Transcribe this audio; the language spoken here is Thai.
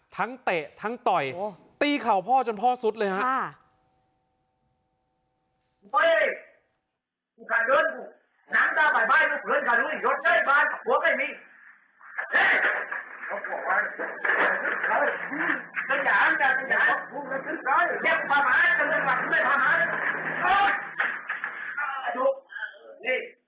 ถนัดนี้เลยเหรอ